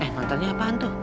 eh mantarnya apaan tuh